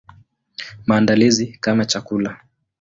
Maandalizi kama chakula.